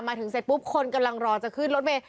เสร็จปุ๊บคนกำลังรอจะขึ้นรถเมย์